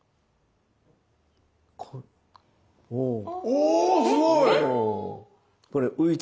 おすごい！